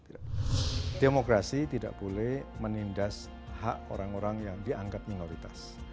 demokrasi tidak boleh menindas hak orang orang yang dianggap minoritas